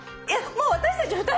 もう私たち２人？